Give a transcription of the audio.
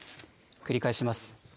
繰り返します。